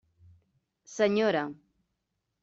Senyora.